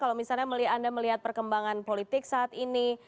kalau misalnya anda melihat perkembangan politik saat ini